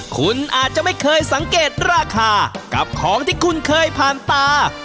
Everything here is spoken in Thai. คุณอาจจะไม่เคยสังเกตราคากับของที่คุณเคยผ่านตา